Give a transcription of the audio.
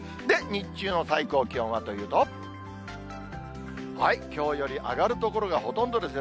日中の最高気温はというと、きょうより上がる所がほとんどですね。